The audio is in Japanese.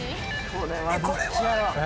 これはどっちやろ？